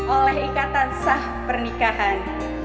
oleh ikatan sah pernikahan